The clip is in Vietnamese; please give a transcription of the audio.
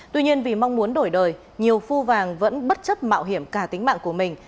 tuy nhiên vì mong muốn đổi đời nhiều phu vàng vẫn bất chấp mạo hiểm cả tính mạng của mình